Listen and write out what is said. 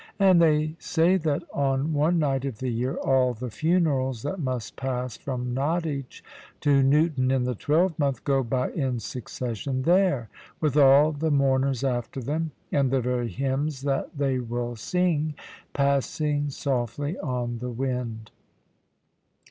And they say that on one night of the year, all the funerals that must pass from Nottage to Newton in the twelvemonth, go by in succession there, with all the mourners after them, and the very hymns that they will sing passing softly on the wind.